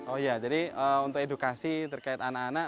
oh iya jadi untuk edukasi terkait anak anak